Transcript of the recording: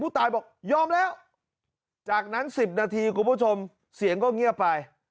ตายบอกยอมแล้วจากนั้น๑๐นาทีคุณผู้ชมเสียงก็เงียบไป